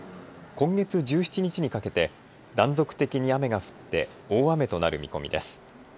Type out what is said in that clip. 今月１７日にかけて断続的に雨が降って大雨となる見込みです。